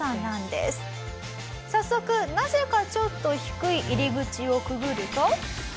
早速なぜかちょっと低い入り口をくぐると。